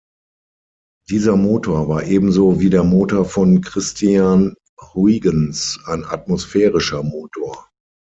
Dieser Motor war ebenso wie der Motor von Christiaan Huygens ein atmosphärischer Motor.